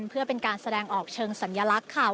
เพื่อเป็นการแสดงออกเชิงสัญลักษณ์ค่ะ